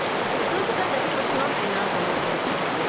そうするとなんか私もつまんないなと思ったりとかして。